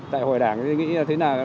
đại hội đảng nghĩ là thế nào